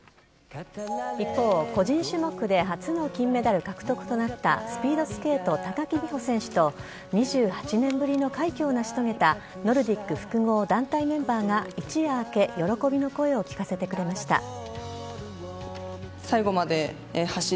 一方、個人種目で初の金メダル獲得となったスピードスケート高木美帆選手と２８年ぶりの快挙を成し遂げたノルディック複合団体メンバーが一夜明け喜びの声を聞かせてくれました。